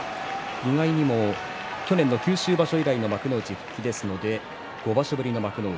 意外にも去年の九州場所以来の幕内復帰ですので５場所ぶりの幕内。